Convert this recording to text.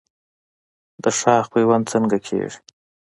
د شاخ پیوند څنګه کیږي؟